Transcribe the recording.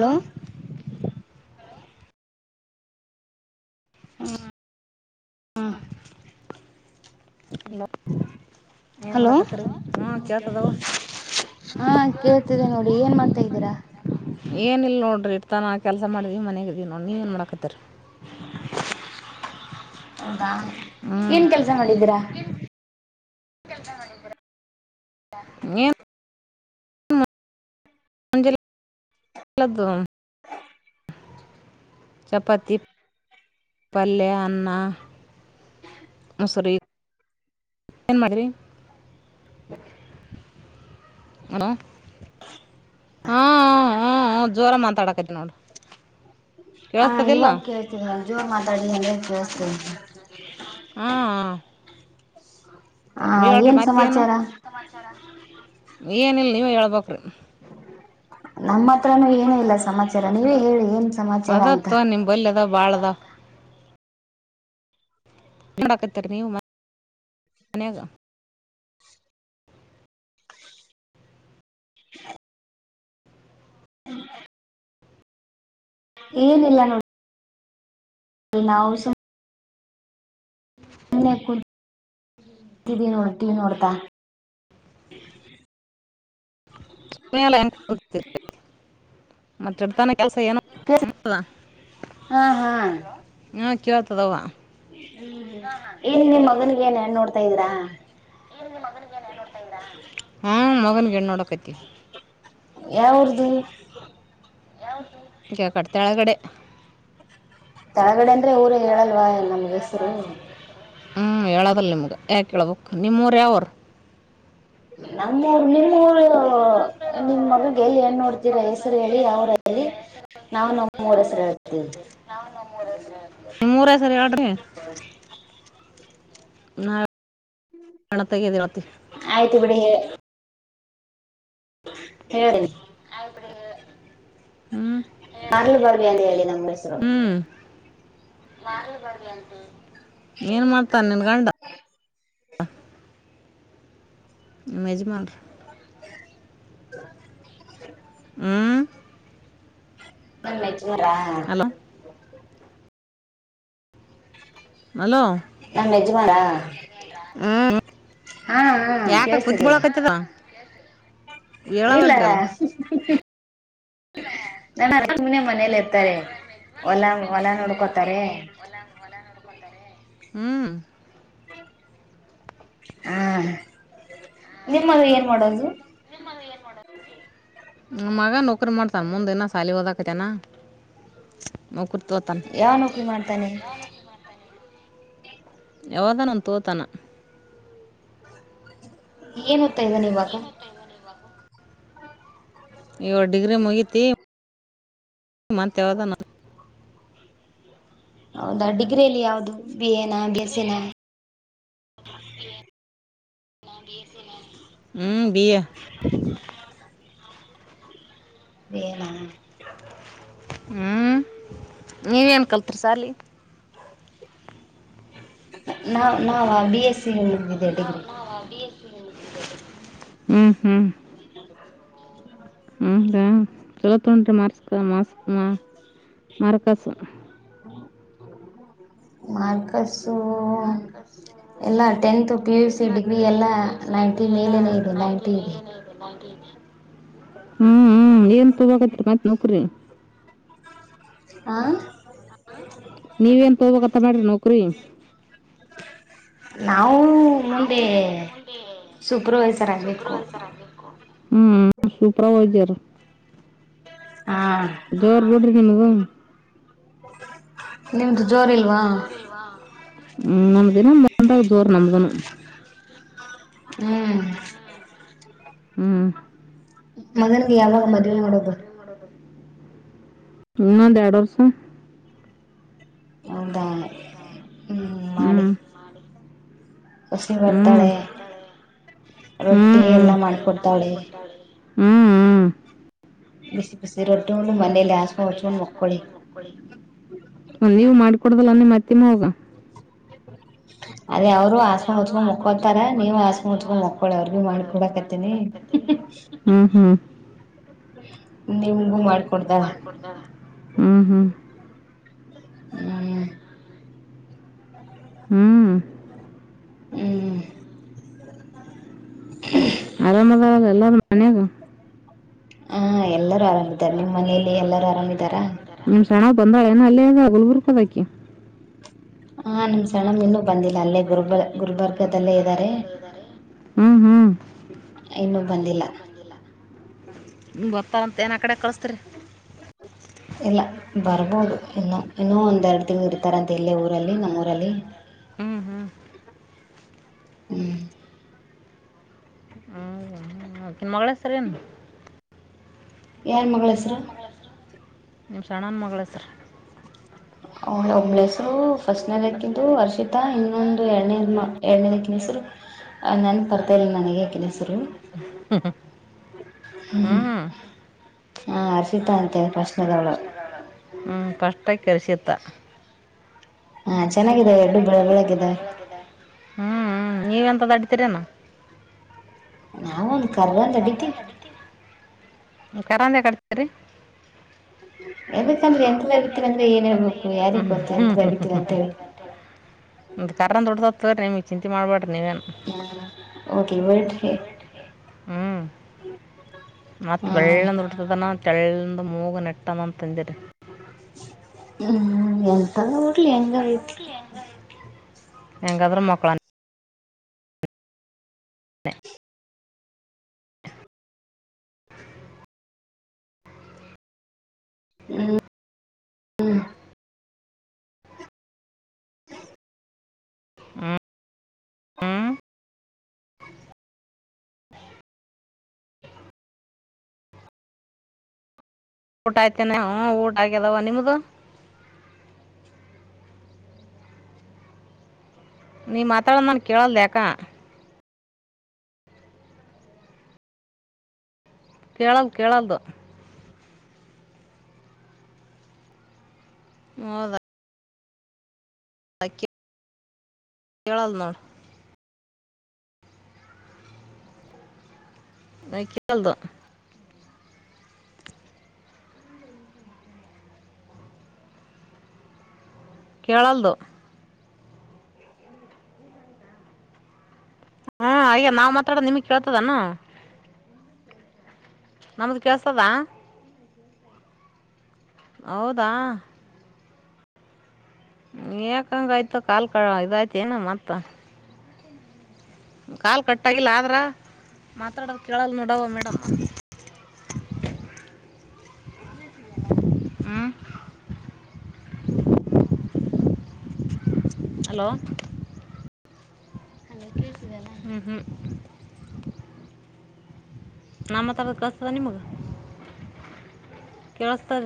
Hello. ಹಾ- hello ಏನು hello ಮಾಡಡಕತರಿ ಹಾ ಕೇಳ್ತದವ್ವ. ಹಾ ಕೇಳ್ತಿದ್ದೇ ನೋಡಿ ಏನ್ ಮಾಡತಾ ಇದ್ದೀರಾ. ಏನಿಲ್ಲ ನೋಡಿರಿ ಇರ್ತಾನಾ ಕೆಲಸ ಮಾಡಿದೀವಿ ಮನೆಾಗ ಇದಿದೀ ನೋಡಿ ನೀವ ಏನು ಮಾಡಕತ್ತರಿ. ಹೌದಾ ಹ್ಞೂ ಏನ್ ಕೆಲ್ಸ ಮಾಡಿದೀರಾ. ನೀ- [inaudible] ಚಪಾತಿ. ಪಲ್ಲ್ಲೆ ಅನ್ನ. ಮುಸರಿ. ಏನು ಮಾಡಿ್ರರಿ ಹಣೋ. ಹ್ಮ್ ಹ್ಮ್ ಜೋರ ಮಾತಾಡಕತಿ ನೋಡು. ಹಾ ಕೇಳಿಸ್ತದಿಲ್ಲ ಇವಾಗ ಕೇಳ್ತಿದಿ ನಾ ಜೋರ್ ಮಾತಾಡಿ ಎಂದ ಕೇಳಳ್ತಿದಿ. ಹಾ ಹ- ಹ ಹೇಳ್ರಿ ಏನ್ ಮತ್ತೇನು ಸಮಾಚಾರ ಏನಲ್ ನೀವ ಹೇಳ್ಬ್ರಿ. ನಮ್ಮ ಹತ್ರನುೂ ಏನ ಇಲ್ಲ ಸಮಾಚಾರ ನೀವೇ ಹೇಳಿ ಏನ್ ಸಮಾಚಾರ ಅಂತ. ಬಿಲ್ಲಿ ಅದವ ಬಳದವ. ಾಕತ್ತರ ನೀವು [inaudible] ಮನ್ಯಾಗ. ಏನಿಲ್ಲ ನೋಡಿ. ನಾವು. ಸುಮ್ನೆ ಕುಂತಿನಿ ನೋಡು ಟಿವಿ ನೋಡ್ತಾ. [inaudible] ಮತ್ತೆಡ್ತಾನ ಕೆಲ್ಸ ಏನು. ಹಾ ಹಾ [inaudible] ಹಾ ಕೇಳ್ತದಾವ. ಹ್ಮ್ ಹ್ಮ್ ಏನ ನಿ ಮಗನಿಗೆ ಏನ್ ಹೆಣ್ಣು ನೋಡ್ತಾ ಇದ್ದೀರಾ. ಏನ ನಿ ಮಗನಿಗೆ ಏನ್ ಹೆಣ್ಣು ನೋಡ್ತಾ ಇದ್ದೀರ ಹೂ ಮಗನಿಗೆ ಹೆಣ್ಣು ನೋಡ್ತಾ ಇದೀವಿ. ಯಾವ್ ಉರ್ದು. [inaudible] ತಳಗಡೆ ಅಂದ್ರೆ ಊರ ಹೇಳಲ್ವ ನಮ್ಗೆ ಹೆಸರು. ಹ್ಞೂ ಹೇಳೋದಲ್ಲ ನಿಮ್ಗೆ ಯಾಕೆೇಳ್ಬೇಕು ನಿಮ್ಮೂಊರು ಯಾವರು. ನಮ್ಮೂರು ನಿಮ್ಮೂರು. ನಿಮ್ ಮಗಗೆ ಎಲ್ಲಿ ಏನ್ ನೋಡ್ತೀರಾ ಹೆಸರು ಹೇಳಿ ಯಾವ್ರ ಹೇಳಿ. ನಾವವು ನಮ್ಮ ಮೂರಸರು ಹೇಳ್ತೇವಿ. ನಾ [unintelligible] ಪಣತ ತಿರತ್ತ. ಆಯ್ತು ಬಿಡಿ ಹೇಳ್ರಿ. ಹ್ಮ್ ಮರ್ಲು ಬಾವಿ ಅಂತ ಹೇಳಿ ನಮ್ಮ್ ಹೆಸರು ಹ್ಮ್ ಏನ್ ಮಾಡ್ತಾರ ನಿನ್ ಗಂಡ. [inaudible] ನಿಮ್ ಯೆಜ್ಮಾನ್ರ. [inaudible] ಹ್ಮ ನಿಮ್ ಯೆಜ್ಮಾನರ. Hello hello. ನಮ್ ಯೆಜ್ಮಾನರ. ಹ್ಮ್ ಯಾಕ ಕೇಳ್ಸ್ತಿದೆ ಕೂತ್ಬಳಕತದ. ಇಲ್ಲ ಹೇಳಾವಲ್ರಿ ಅಲ್ಲ. ನಮ್ ಯೆಜ್ಮಾನ್ರ ಮನೇಲಿ ಇರ್ತಾರೆ ಹೊಲ ಹೊಲ ನೋಡ್ಕೋತಾರೆ. ಹ್ಮ್ ಹಾ ನಿಮ್ಮ ಮಗ ಏನ್ ಮಾಡೋದು. ನಮ್ ಮಗ ನೌಕರಿ ಮಾಡ್ತಾನ ಮುಂದ ಇನ ಸಾಲಿ ಹಓದಕತನಾ. ಯಾವ ನೌಕರಿ ಮಾಡ್ತಾನೆ. ಯಾವದಾನ ಒಂದು ತಗೋತಾನ. ಏನ್ ಓದ್ತಾ ಇದ್ದಾನೆ ಇವಾಗ. ಹ [inaudible] ಇವಾಗ್ ಡಿಗ್ರಿ ಮುಗಿತಿ ಈ ಮಂತ್ ಹೇಳ್ದನ. ಹೌದಾ ಡಿಗ್ರಿಯಲ್ಲಿ ಯಾವ್ದದು ಬಿ ಎ ನಾ ಬಿ ಎಸ್ ಎ ನಾ. [inaudible] ಬಿ ಎಸ್ ನಾ. ಹ್ಮ್ ಏನಾ. ಹ್ಮ್ ನೀವೇನ್ ಕಲ್ತ್ರಿ ಸಾಲಿ. ನಾವ ನಾವ ಬಿ ಎಸ್ ಸಿ ಮುಗ್ದಿದೆ ಡಿಗ್ರಿ. ಹ್ಮ್ ಹ್ಮ್ ಹೌದ ಚಲೋ ತಗೊಂಡ್ರಿ ಮಾರ್ಕ್ಸ್ನ್ ಮಾರ್ಕ್ಸ್ನ್ ಮರಕಾಸ. ಮಾರ್ಕಸು. ಮಾರ್ಕಸು ಯು ಸಿ ಎಲ್ಲ ಡಿಗ್ರಿ ಎಲ್ಲ ಟೆಂತ್ ಪಿ ಯು ಸಿ ಪ ನೈಂಟಿ ಡಿಗ್ರಿ ಎಲ್ಲ ಮೇಲೆನೇ ಇದೆ ನೈನ್ಟಿ ನೈಂಟಿ ಇದೆ ಮೇಲೆ ಹ್ಮ್ ಹ್ಮ್ ಏನ್ ತಗೋಕ್ ಹತ್ರಿ ಮತ್ ನೌಕರಿ. ಹಾ ನೀವೇನ್ ತೋಬಬೇಕಕ್ತ್ತ ಮಾಡ್ರಿ ನೌಕ್ರರಿ. ನಾವು ನಾವು ಮುಂದೆ ಮುಂದೆ ಸೂಪರ್ವೈಸರ್ ಆಗ್ಬೇಕು ಸುಪ್ರವೈಸರ್ ಆಗಬೇಕು. ಹ್ಮ್ ಸೂಪರ್ವೈಜರ್. ಹಾ ಜೋರ್ ಬಿಡ್ರಿ ನಿಮ್ಮದು. ನಿಮ್ದು ಜೋರ ಇಲ್ ಇಲ್ವಾ ಹ್ಮ್ ನಮ್ದಿನ ಮಂದ ಜೋರು ನಂಬದುನು. ಹ್ಮ್ ಹ್ಮ್ ಮಗನ್ಿಗೆ ಯಾವಾಗ ಮದ್ೆ ಮಾಡೋದು. [inaudible] ಇನ್ನೊಂದು ಎರಡು ವರ್ಷ. ಹೌದು. ಹ್ಮ್- ಸೋಸಿ ಹ್ಮ್ ಬರ್ತಾಳೆ ಹ್ಮ್ ರೊಟ್ಟಿ ಎಲ್ಲ ಹ್ಮ್ ಮಾಡ್ಕೊಡ್ತಾಳೆ. ಹ್ಮ್- ಹ್ಮ್ ಬಿಸಿ ಬಿಸಿ ರೊಟ್ಟಿಂಡು ಮನೇಲಿ ಹಾಸಿಗೆ ಹಚ್ಕೊಂಡು ಮಕ್ಕಳಿ. ಒ ನೀವು ಮಾಡ್ಕೊಡದಲ್ಲ ಒಂದೆ ಮತ್ತೆಮ ಹೋಗ. ಅದೇ ಅವರು ಅದೇ ಹಾಸ್ಕೊಂಡ್ ಅವರು ಮುಚ್ಕೊಂಡ್ ಹಸ್ಮ ಮಕ್ಕೋತಾರ ಉಚ್ಕೊಂಡ್ ನೀವು ಮುಕ್ಕೊತಾರ ಹಾಸ್ಕೊಂಡ್ ನೀವು ಮುಚ್ಕೊಂಡ್ ಹಸ್ ಮಕ್ಕೊಳಿ ಉಸ್ಕ್ ಅವ್ರಿಗೂ ಮುಕ್ಕೊಳಿ ಅವ್ರಿಗೆ ಮಾಡ್ಕಡ. ಮಾಡ್ಕೊಡಕತ್ತೇನಿ ಹ್ಮ್ ಹ್ಮ್- ನಿಮಗು ಮಾಡ್ಕ. ಹ್ಮ್ ಹ್ಮ್- ಹ್ಮ್- ಹ್ಮ್- ಹ್ಮ- ಆರಾಮದಾರಲ್ಲ ಎಲ್ಲು ಮನ್ಯಾಗ. ಹಾ ಎಲ್ಲರೂ ಆರಾಮಿದಿದ್ದಾರೆ ನಿಮ್ಮ್ ಮನಲಿ ಎಲ್ಲರೂ ಆರಾಮಿದಾರಾ. ನಿಮ್ ಸಾನವ್ವ ಬಂದಳ ಏನು ಅಲ್ಲೇ ಗುಲ್ಬುರ್ಕ ಹೊದಕಿ. ಹಾ ನಮ್ ಸಣ್ಣಮ್ ಇನ್ನುೂ ಬಂದಿಲ್ಲ ಅಲ್ಲೇ. ಗುರ್ಬ ಗುಲ್ಬರ್ಗದಲ್ಲೇ ಇದ್ದಾರೆ ಹ್ಮ್ ಹ್ಮ್- ಇನ್ನುೂ ಬಂದಿಲ್ಲ. ಬರ್ತಾಳಂತೇನು ಆ ಕಡೆ ಕಳಸ್ತ್ರಿ. ಇಲ್ಲ ಬರ್ಬೋದು ಇನ್ನೂ ಇನ್ನೂ ಒಂದೆರಡು ತಿಂಗಂಗಳು ಇರ್ತಾರ ಅಂತ ಎಲ್ಲೇ ಊರಲ್ಲಿ ನಮ್ಮೂಊರಲ್ಲಿ. ಹ್ಮ್ ಹ್ಮ್- ಹ್ಮ್ [unintelligible] ಅಕಿನ ಮಗಳ ಹೆ ಸರ ಏನು. ಯಾರ ಮಗಳ ಹೆಸರು. ನಿಮ್ ಸಣ್ಣವಾನ ಮಗಳ ಹೆಸ್ರು. [inaudible] ಹೆಸರು ಫಸ್ಟ್ನೇ ದಕ್ಕಂದು ಅರ್ಷಿತಾ ಇನ್ನೊಂದು ಎರಡನೇ ಎರಡನೇ ದಕ್ಕಿನ ಹೆಸರು. ಅ ನೆನಪ್ ಬರ್ತಿಲ್ಲ ನನಗೆ ಅಕಿನ ಹೆಸ್ರು. ಹ್ಞೂ ಹ್ಮ ಹಾ ಅರಸಿತ ಅಂತೆ ಫಿರ್ಸ್ನೆ ಅವಳು. ಹ್ಞ ಫಸ್ಟಕ್ಕಿ ಹರ್ಷಿತಾ. ಹಾ ಚೆನ್ನಾಗಿದೆ ಎರಡ್ಡು ಬೆಳ ಬೆಳಗಾಗಿದೆ. ಹ್ಮ್ ನೀವ ಎಂತದ್ ಅಡ್ಿತೀರೇನ. ನನ್. ಕರಂಡು ಯಾಕ್ ಹಾಡಿತೀರಿ. ಹೇಳ್ಬೇಕಂದ್ರೆ ಎಂತದ ಅಡಿತೀವಿ ಅಂದ್ರೆ ಏನ್ ಹೇಳ್ಬೇಕು ಹ್ಮ್ ಯಾರಿಗ್ ಹ್ಮ್ ಗೊತ್ತು ಹ್ಮ್ ಎಂತದ ಅಡಿತೀವಿ ಹ್ಮ್್ಮ್್ಮ- ಅಂತ ಹೇಳಿ ಒ ಕರನ್ ದುಡ್ದತ್ತತವೀ ನಿಮಗ್ ಚಿಂತೆ ಮಾಡ್ಬೇಡ್ರಿ ನೀವೇನ್. [inaudible] ಹ್ಮ್ ಮತ್ತ ಹ ಬೆಳ್ಳಂದ್ರ. ಇತದನ ತಳ್ಳಂದ ಮೂಗ ನೆಟ್ಟನ ತಂದಿರಿ. ಹ್ಮ್ ಎಂತ ಓಡ್ಲಿ ಹೆಂಗ ಐಲಿ. ಎಂಗಾದ್ರ ಮಕ್ಕಳಾ. [inaudible] [inaudible] ಹ್ಮ. [inaudible] ಹ್ಮ. [inaudible] ಊಟ ಆಯ್ತೇನ ಹಾ ಊಟ ಆಗ್ಯದಾವ ನಿಮ್ದು. ನೀ ಮಾತಾಡೋ ನನ್ ಕೇಳಲ್ ಯಾಕ. ಕೇಳಲ್ದ ಕೇಳಲ್ದ. ಹೌದ. ಅಕಿ ಕೇಳಲ್ಲ ನೋಡ [unintelligible] ಕೇಳಲ್ದು. ಹಾ ಆಗೇದ ನಾವ್ ಮಾತಾಡುದ ನಿಮಗ ಕೇಳ್ತದನ. ನಮದ ಕೇಳಸ್ತದ. ಹೌದಾ. ಯಾಕಂಗ ಆಯ್ತು ಕಾಲ್ ಕಳ ಇದಾಯ್ತ ಏನು ಮತ್ತ ಕಾಲ ಕಟ್ಟಾಗಿಲ್ಲ ಆದ್ರ ಮಾತಾಡದ ಕೇಳಲ್ ನೋಡವ ಮೇಡಮ್. ಹ್ಮ. ಹಲೋ ಹಲೋ ಕೇಳಸತಿದೆನಾ ಹ್ಞೂ ಹ್ಞೂ ನಾ ಮಾತಾಡೋದ ಕೆಸ್ತದ ನಿಮಗ ಕೇಳಸ್ತದ